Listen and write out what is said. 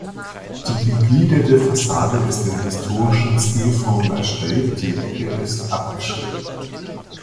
Die gegliederte Fassade ist in historistischen Stilformen erstellt, die Ecke ist abgeschrägt.